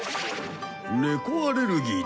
猫アレルギーでな。